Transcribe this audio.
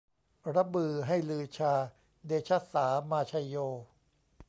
ระบือให้ลือชา เดชะสามาไชโย